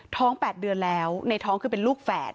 ๘เดือนแล้วในท้องคือเป็นลูกแฝด